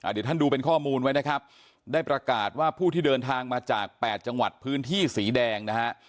เดี๋ยวท่านดูเป็นข้อมูลไว้นะครับได้ประกาศว่าผู้ที่เดินทางมาจาก๘จังหวัดพื้นที่สีแดงนะฮะ